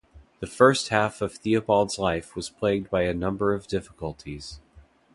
The first half of Theobald's life was plagued by a number of difficulties.